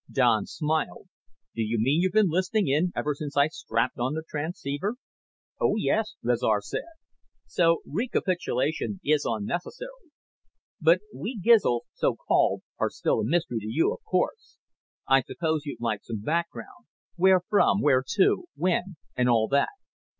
Don smiled. "Do you mean you've been listening in ever since I strapped on the transceiver?" "Oh, yes," Rezar said. "So recapitulation is unnecessary. But we Gizls, so called, are still a mystery to you, of course. I suppose you'd like some background. Where from, where to, when, and all that."